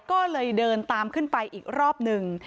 ก็เลยเดินตามขึ้นไปอีกรอบหนึ่ง